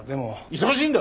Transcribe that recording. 忙しいんだ！